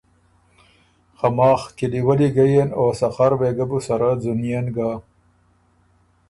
خه ماخ کِلی ولّي ګۀ یېن او سخر وېګۀ بو سره ځُونيېن ګۀ۔